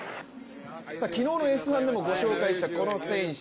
昨日の「Ｓ☆１」でもご紹介したこの選手。